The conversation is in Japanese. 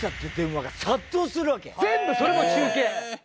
全部それも中継。